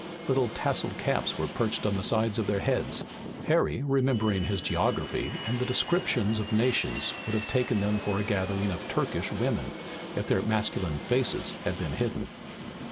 Little tasselled caps were perched on the sides of their heads. Harry remembering his geography and the descriptions of nations would have taken them for a gathering of Turkish women, if their masculine faces had been hidden.